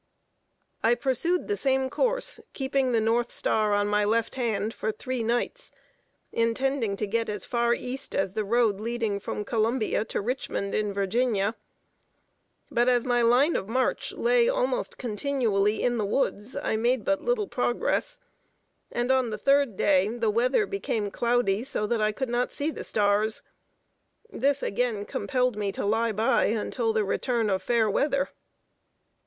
I pursued the same course, keeping the north star on my left hand for three nights; intending to get as far East as the road leading from Columbia to Richmond, in Virginia; but as my line of march lay almost continually in the woods, I made but little progress; and on the third day, the weather became cloudy, so that I could not see the stars. This again compelled me to lie by, until the return of fair weather.